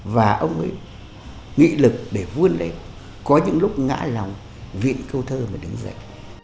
và ông ấy nghị lực để vươn lên có những lúc ngã lòng vịn câu thơ mà đứng dậy